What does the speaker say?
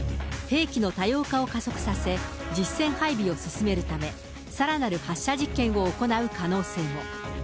兵器の多様化を加速させ、実戦配備を進めるため、さらなる発射実験を行う可能性も。